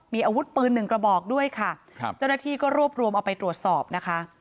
มีอาวุธปืนหนึ่งกระบอกด้วยค่ะครับเจ้าหน้าที่ก็รวบรวมเอาไปตรวจสอบนะคะ